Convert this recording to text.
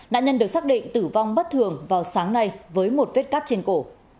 nạn nhân được xác định tử vong bất thường vào sáng nay với một vết cắt trên cổ